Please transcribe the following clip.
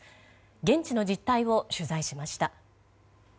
現地の実態を取材しました。